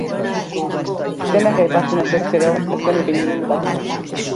Denak aipatzen hasiz gero, ez genuke inoiz bukatuko.